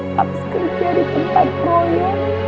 pams kerja di tempat gue